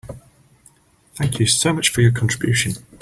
Thank you so much for your contribution.